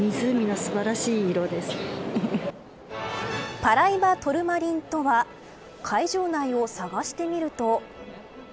パライバトルマリンとは会場内を探してみると。